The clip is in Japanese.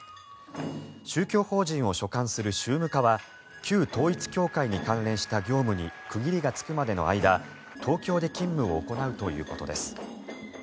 宗教法人を所管する宗務課は旧統一教会に関連した業務に区切りがつくまでの間東京で勤務を行うということです。